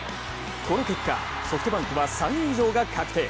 この結果、ソフトバンクは３位以上が確定。